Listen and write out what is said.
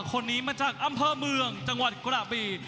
คนนี้มาจากอำเภอเมืองจังหวัดกระบี